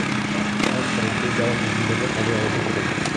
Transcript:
Ал стратегиялык чечимдерди кабыл алышы керек.